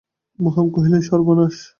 মহিম কহিলেন, সর্বনাশ!